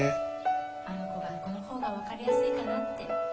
あの子がこの方がわかりやすいかなって